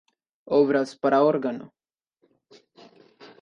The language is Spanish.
Obras para órgano